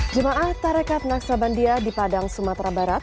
jemaah tarekat naksabandia di padang sumatera barat